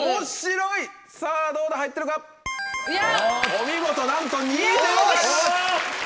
お見事なんと２位でございます！